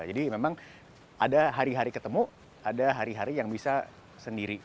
jadi memang ada hari hari ketemu ada hari hari yang bisa sendiri